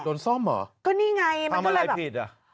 โดนซ่อมเหรอทำอะไรผิดอะ